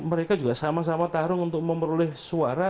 mereka juga sama sama tarung untuk memperoleh suara